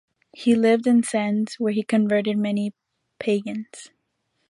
He lived in Sens where he converted many pagans.